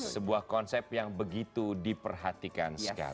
sebuah konsep yang begitu diperhatikan sekali